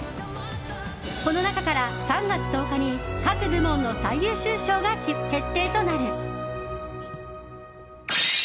この中から３月１０日に各部門の最優秀賞が決定となる。